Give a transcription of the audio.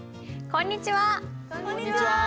こんにちは！